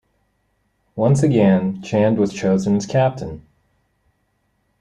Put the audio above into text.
Once again, Chand was chosen as captain.